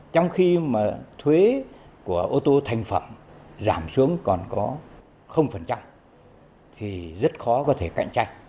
trong khi thuế của ô tô thành phẩm giảm xuống còn có thì rất khó có thể cạnh tranh